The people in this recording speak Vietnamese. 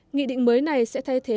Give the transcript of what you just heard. nghị định mới này sẽ thay thế